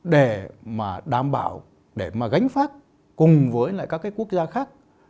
để mà đảm bảo để mà gánh phát cùng với lại các cái quốc gia khác